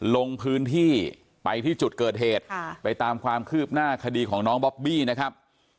ลงพื้นที่ไปที่จุดเกิดเหตุไปตามความคืบหน้าคดีของน้องบอบบี้นะครับ